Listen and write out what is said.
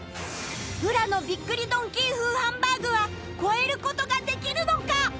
浦のびっくりドンキー風ハンバーグは超える事ができるのか？